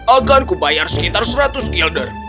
akanku bayar sekitar seratus kilder